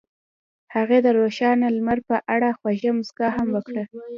هغې د روښانه لمر په اړه خوږه موسکا هم وکړه.